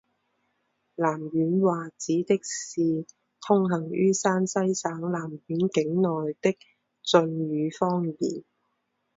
岚县话指的是通行于山西省岚县境内的晋语方言。